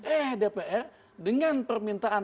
eh dpr dengan permintaan